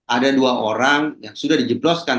ada dua orang yang sudah di jebloskan